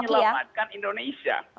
ini adalah untuk menyelamatkan indonesia